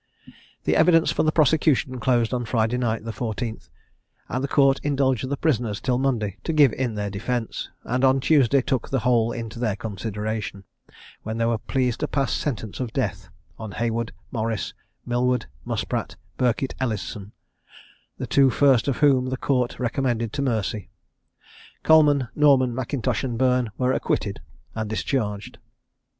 The evidence for the prosecution closed on Friday night, the 14th, and the Court indulged the prisoners till Monday to give in their defence; and on Tuesday took the whole into their consideration, when they were pleased to pass sentence of death on Heywood, Morris, Millward, Muspratt, Birkett, and Ellison, the two first of whom the Court recommended to mercy. Coleman, Norman, Mackintosh, and Burn were acquitted, and discharged.